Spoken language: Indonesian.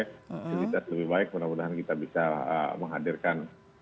fasilitas lebih baik mudah mudahan kita bisa menghadirkan sesuatu yang lebih baik dibanding awal awal pandemi dulu